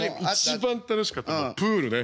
一番楽しかったのはプールね。